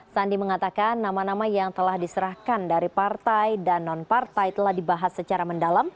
sandi mengatakan nama nama yang telah diserahkan dari partai dan non partai telah dibahas secara mendalam